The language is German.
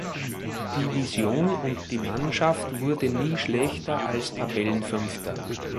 Division und die Mannschaft wurde nie schlechter als Tabellenfünfter.